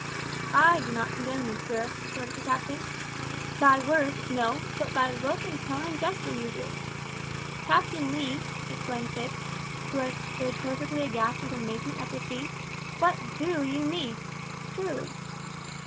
"I do not condemn you, sir," retorted the captain. "By word, no, but by look and tone and gesture you do." "Captain Lee," exclaimed Tipps, who had stood perfectly aghast with amazement at this scene, "what do you mean? surely."